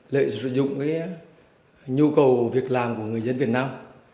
lệ sử dụng nhu cầu việc làm của người dân việt nam